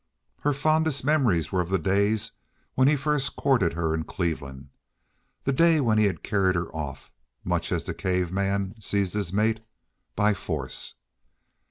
Her fondest memories were of the days when he first courted her in Cleveland—the days when he had carried her off, much as the cave man seized his mate—by force.